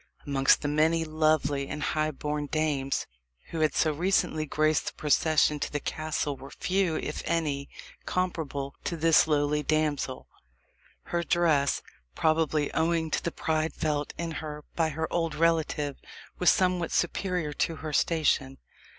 Amongst the many lovely and high born dames who had so recently graced the procession to the castle were few, if any, comparable to this lowly damsel. Her dress probably owing to the pride felt in her by her old relative was somewhat superior to her station.